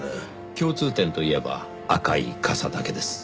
共通点といえば赤い傘だけです。